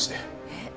えっ？